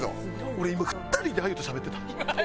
俺今２人であゆとしゃべってた。